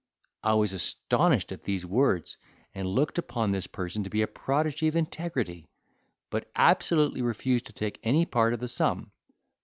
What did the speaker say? I was astonished at these words, and looked upon this person to be a prodigy of integrity, but absolutely refused to take any part of the sum.